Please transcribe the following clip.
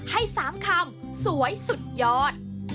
ให้๓คำสวยสุดยอด